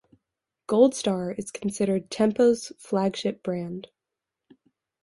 Goldstar is considered Tempo's "flagship brand".